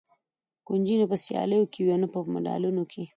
کنجي نه په سیالیو کې وي او نه په مډالونه کې.